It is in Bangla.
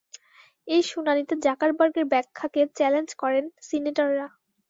ওই শুনানিতে জাকারবার্গের ব্যাখ্যাকে চ্যালেঞ্জ করেন সিনেটররা।